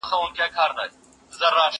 هغه څوک چي کار کوي پرمختګ کوي!؟